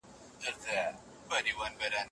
د اصفهان فاتح ناول په زړه پورې مکالمې لري.